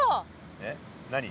えっ何？